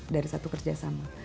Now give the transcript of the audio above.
dari satu kerjasama